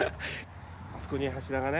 あそこに柱がね